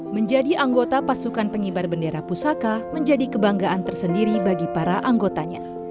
menjadi anggota pasukan pengibar bendera pusaka menjadi kebanggaan tersendiri bagi para anggotanya